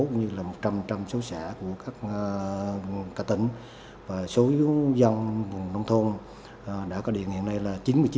cũng như là một trăm linh số xã của các tỉnh và số dân vùng nông thôn đã có điện hiện nay là chín mươi chín